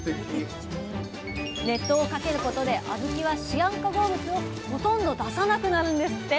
熱湯をかけることで小豆はシアン化合物をほとんど出さなくなるんですって！